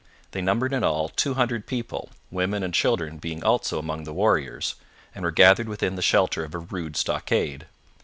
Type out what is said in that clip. They numbered in all two hundred people, women and children being also among the warriors, and were gathered within the shelter of a rude stockade.